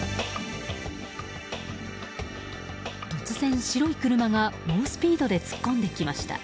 突然、白い車が猛スピードで突っ込んできました。